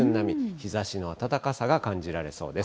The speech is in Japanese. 日ざしの暖かさが感じられそうです。